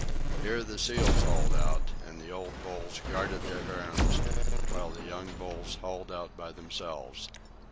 Here the seals hauled out, and the old bulls guarded their harems, while the young bulls hauled out by themselves.